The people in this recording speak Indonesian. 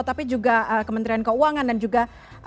tapi juga kementerian keuangan dan juga